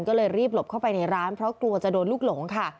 ก็เลยรีบหลบเข้าไปในร้านเพราะกลัวจะโดนลูกหลงค่ะ